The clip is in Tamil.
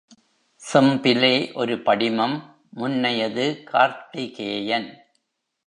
செம்பிலே ஒரு படிமம் முன்னையது கார்த்திகேயன்.